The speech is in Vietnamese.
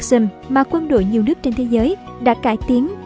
harem maxim mà quân đội nhiều nước trên thế giới đã cải tiến